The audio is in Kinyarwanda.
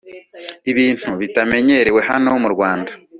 ibintu bitamenyerewe hano mu Rwanda